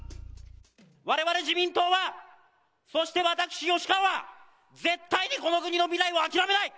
われわれ自民党は、そして私、吉川は、絶対にこの国の未来を諦めない。